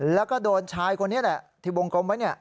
แล้วก็โดนชายคนนี้แหละที่วงกลมไว้